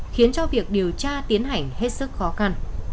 khiến cho việc điều tra tiến hành hết sức khó khăn